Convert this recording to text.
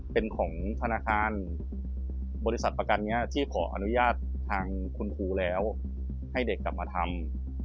เป็นของธนาคารบริษัทประกันนี้ที่ขออนุญาตทางคุณครูแล้วให้เด็กกลับมาทำ